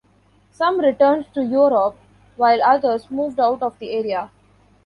Some returned to Europe while others moved out of the area.